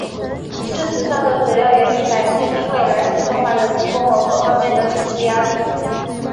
事实上主要原因还是因为来自中华人民共和国方面的政治压力。